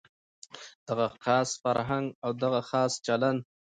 دغه خاص فرهنګ او دغه خاص چلند.